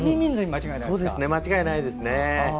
間違いないですね。